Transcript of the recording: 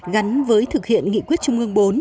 gắn với thực hiện nghị quyết chung ngương bốn